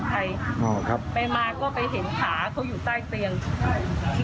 นอนสลบอยู่จริงก็เลยรีบลงมาบอกเจ้าหน้าที่